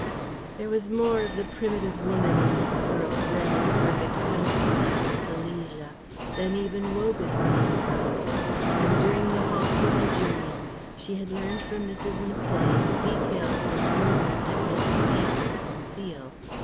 There was more of the primitive woman in this girl bred in the rugged country side of Silesia than even Wogan was aware of, and during the halts in their journey she had learned from Mrs. Misset details which Wogan had been at pains to conceal.